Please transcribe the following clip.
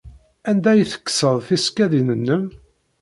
Anda ay tekkseḍ tisekkadin-nnem?